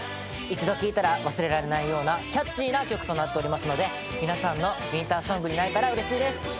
一度聴いたら忘れられないようなキャッチーな曲となっておりますので皆さんのウインターソングになれたらうれしいです。